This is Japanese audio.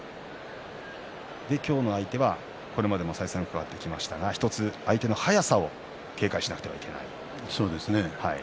今日の相手は、これまでも再三、伺ってきましたが１つ、相手の速さをそうですね。